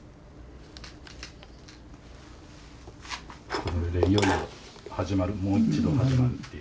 これでいよいよ始まるもう一度始まるっていう。